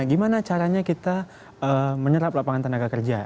gimana caranya kita menyerap lapangan tenaga kerja